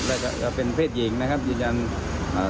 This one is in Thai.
แล้วก็จะเป็นเพศหญิงนะครับยืนยันอ่า